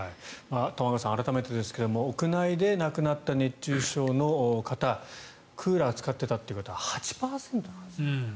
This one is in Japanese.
玉川さん、改めてですが屋内で亡くなった熱中症の方クーラーを使っていたという方が８％ですね。